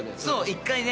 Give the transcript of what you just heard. １回ね